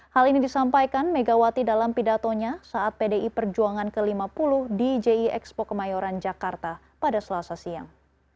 hal ini disampaikan megawati dalam pidatonya saat pdi perjuangan ke lima puluh di ji expo kemayoran jakarta pada selasa siang